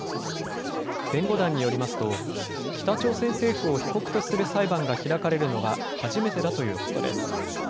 弁護団によりますと、北朝鮮政府を被告とする裁判が開かれるのは初めてだということです。